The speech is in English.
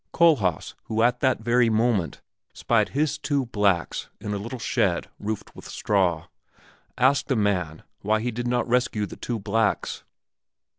Kohlhaas, who at that very moment spied his two blacks in a little shed roofed with straw, asked the man why he did not rescue the two blacks.